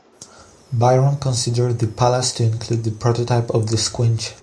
Byron considered the Palace to include the prototype of the squinch.